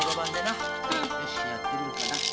よしっやってみるかな。